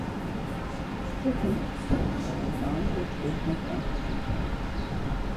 Certainly, I long to escape from fantasy.